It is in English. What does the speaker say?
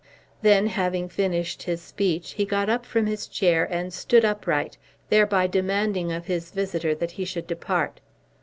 Then, having finished his speech, he got up from his chair and stood upright, thereby demanding of his visitor that he should depart.